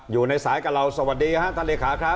อยู่ในสายกับเราสวัสดีครับท่านเลขาครับ